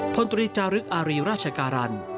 พลตรีจารึกอารีราชการัน